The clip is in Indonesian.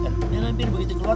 nih malam bir begitu keluar